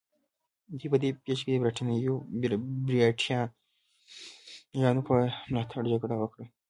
دوی په دې پېښه کې د برېټانویانو په ملاتړ جګړه وکړه.